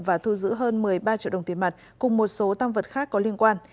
và thu giữ hơn một mươi ba triệu đồng tiền mặt cùng một số tam vật khác có liên quan